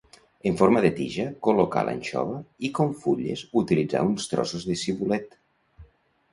En forma de tija col·locar l'anxova i com fulles utilitzar uns trossos de cibulet.